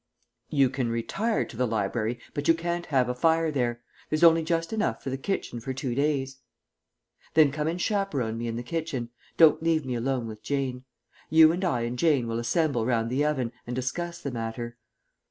"You can retire to the library, but you can't have a fire there. There's only just enough for the kitchen for two days." "Then come and chaperon me in the kitchen. Don't leave me alone with Jane. You and I and Jane will assemble round the oven and discuss the matter.